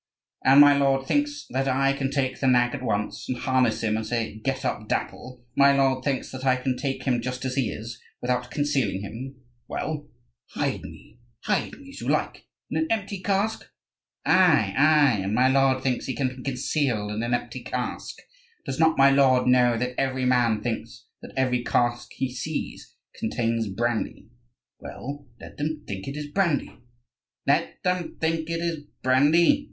"And my lord thinks that I can take the nag at once, and harness him, and say 'Get up, Dapple!' My lord thinks that I can take him just as he is, without concealing him?" "Well, hide me, hide me as you like: in an empty cask?" "Ai, ai! and my lord thinks he can be concealed in an empty cask? Does not my lord know that every man thinks that every cast he sees contains brandy?" "Well, let them think it is brandy." "Let them think it is brandy?"